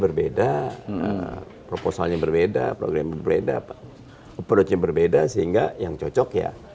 dia berbeda nah proposalnya berbeda program berbeda apa producenya berbeda sehingga yang cocok ya